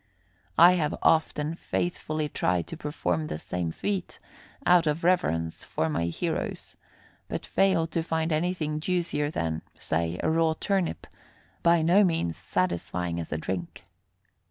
I have often and faithfully tried to perform the same feat, out of reverence for my heroes, but failed to find anything juicier than, say, a raw turnip by no means satisfying as a drink.